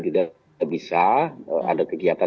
tidak bisa ada kegiatan